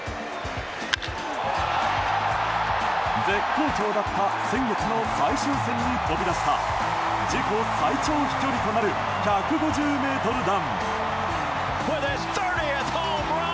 絶好調だった先月の最終戦に飛び出した自己最長飛距離となる１５０ｍ弾。